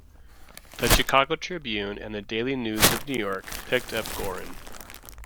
The "Chicago Tribune" and the "Daily News" of New York picked up Goren.